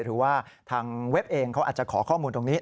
หรือว่าทางเว็บเองเขาอาจจะขอข้อมูลตรงนี้